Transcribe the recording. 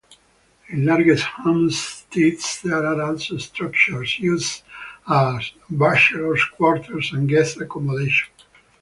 In larger homesteads there are also structures used as bachelors' quarters and guest accommodation.